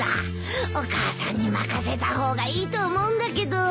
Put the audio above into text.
お母さんに任せた方がいいと思うんだけど。